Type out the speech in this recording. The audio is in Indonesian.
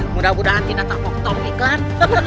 mudah mudahan tidak takut takut nih kan